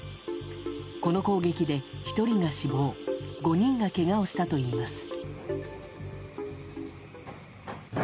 この攻撃で１人が死亡５人がけがをしたといいます。